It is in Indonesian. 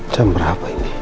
jam berapa ini